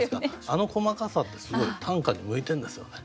あの細かさってすごい短歌に向いてるんですよね。